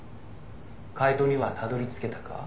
「解答にはたどり着けたか？」